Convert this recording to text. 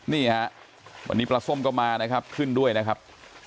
นี่ฮะวันนี้ปลาส้มก็มานะครับขึ้นด้วยนะครับ